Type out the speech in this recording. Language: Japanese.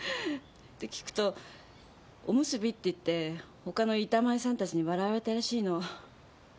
で聞くとおむすびって言って他の板前さんたちに笑われたらしいの。